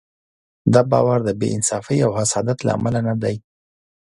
دا باور د بې انصافۍ او حسادت له امله نه دی.